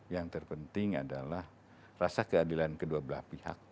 yang terpenting adalah rasa keadilan kedua belah pihak